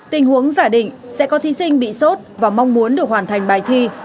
tình huống giả định sẽ có thí sinh bị sốt và mong muốn được hoàn thành bài thi